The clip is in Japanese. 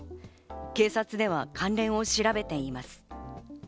警察では関連を調べています。